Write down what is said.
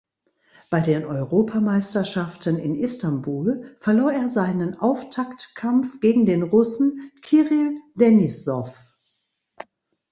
Bei den Europameisterschaften in Istanbul verlor er seinen Auftaktkampf gegen den Russen Kirill Denissow.